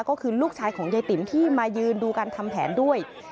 ก็คือลูกชายของยายติ๋มที่มายืนดูการทำแผนด้วย